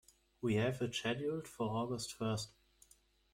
We have it scheduled for August first.